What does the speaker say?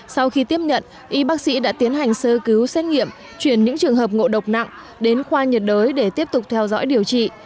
sau khi tiếp nhận y bác sĩ đã tiến hành sơ cứu xét nghiệm chuyển những trường hợp ngộ độc nặng đến khoa nhiệt đới để tiếp tục theo dõi điều trị